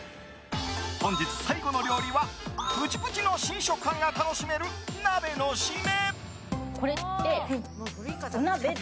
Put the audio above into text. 本日最後の料理はプチプチの新食感が楽しめる鍋のシメ。